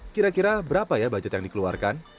kira kira berapa ya budget yang dikeluarkan